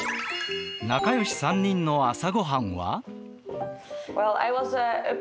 仲よし３人の朝ごはんは？